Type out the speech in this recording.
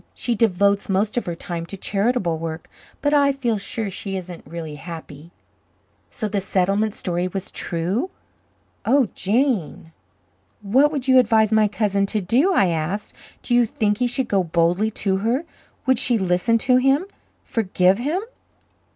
She devotes most of her time to charitable work, but I feel sure she isn't really happy." So the settlement story was true. Oh, Jane! "What would you advise my cousin to do?" I asked. "Do you think he should go boldly to her? Would she listen to him forgive him?"